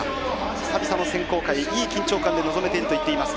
久々の選考会いい緊張感で臨めているといいます。